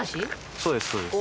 そうですそうです。